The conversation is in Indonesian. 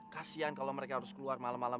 kasian kalau mereka harus keluar malam malam